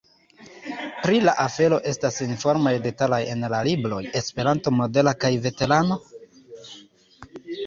Pri la afero estas informoj detalaj en la libroj ‘’Esperanto Modelo’’ kaj ‘’Veterano?’’.